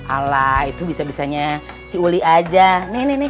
alah itu bisa bisanya si uli aja nih nih nih